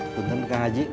benteng kang haji